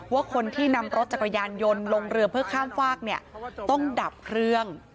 ว่าคนที่นำรถจักรยานยนต์ลงเรือเพื่อข้ามฝากเนี่ยต้องดับเครื่อง